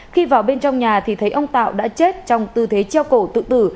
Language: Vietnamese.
khi vào bên trong nhà thì thấy ông tạo đã chết trong tư thế treo cổ tự tử